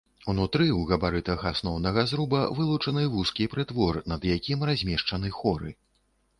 Унутры ў габарытах асноўнага зруба вылучаны вузкі прытвор, над якім размешчаны хоры.